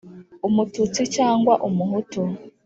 Umututsi cyangwa Umuhutu.